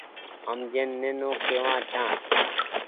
هم جين نينو ڪوآن ڇآن